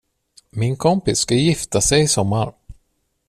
Min kompis ska gifta sig i sommar.